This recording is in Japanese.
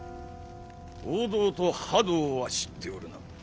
王道と覇道は知っておるな。